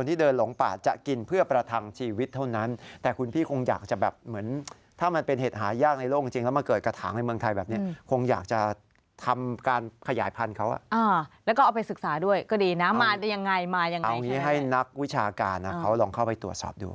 อเมริกานะครับเขาลองเข้าไปตรวจสอบดู